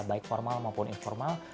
baik formal maupun informal